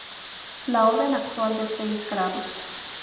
La Orden actualmente es de seis grados.